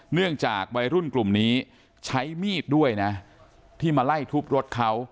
เนื่องจากวัยรุ่นกลุ่มนี้ใช้มีดด้วยนะที่มาไล่ทุบรถเขา